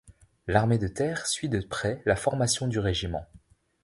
L'armée de Terre suit de près la formation du régiment.